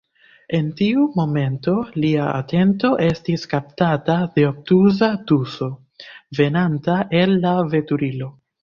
En tiu momento lia atento estis kaptata de obtuza tuso, venanta el la veturilo.